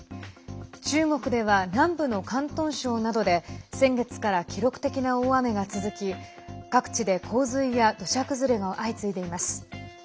中国では南部の広東省などで先月から記録的な大雨が続き各地で洪水や土砂崩れが相次いでいます。